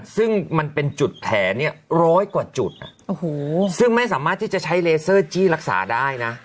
ซึ่งมันเป็นจุดแถเนี่ยร้อยกว่าจุดซึ่งไม่สามารถที่จะใช้เลเซอร์จี้รักษาได้นะ